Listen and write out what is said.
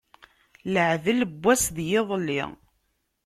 Iaɛdel n wass d yiḍelli.